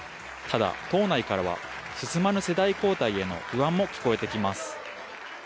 ただ、党内からは進まぬ世代交代への不安も聞こえてきます。